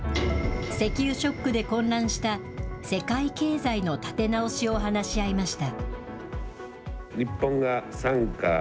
石油ショックで混乱した世界経済の立て直しを話し合いました。